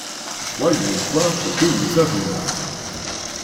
Voyons voir ce que nous avons là!